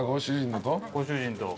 ご主人のと？